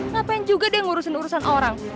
ngapain juga dia ngurusin urusan orang